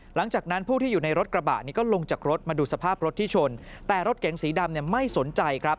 หลังจากนั้นผู้ที่อยู่ในรถกระบะนี้ก็ลงจากรถมาดูสภาพรถที่ชนแต่รถเก๋งสีดำเนี่ยไม่สนใจครับ